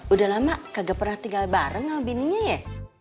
udah lama kagak pernah tinggal bareng sama bininya ya